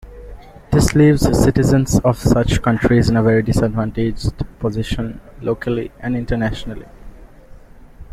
This leaves citizens of such countries in a very disadvantaged position locally and internationally.